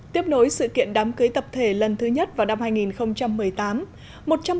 tiếp nối sự kiện đám cưới tập thể lần thứ nhất vào năm hai nghìn một mươi tám